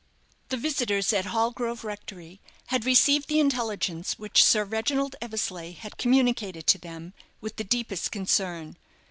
The visitors at Hallgrove Rectory had received the intelligence which Sir Reginald Eversleigh had communicated to them with the deepest concern.